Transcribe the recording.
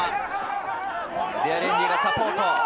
デアリエンディがサポート。